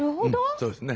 そうですね。